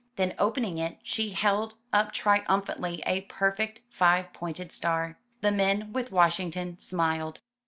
Then opening it, she held up triumphantly a perfect five pointed star. The men with Washington smiled.